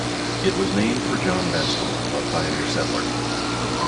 It was named for John Maskell, a pioneer settler.